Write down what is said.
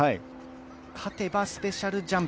勝てばスペシャルジャンプ。